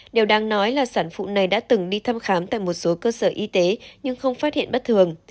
điều đáng nói là sản phụ này đã từng đi thăm khám tại một số cơ sở y tế nhưng không phát hiện bất thường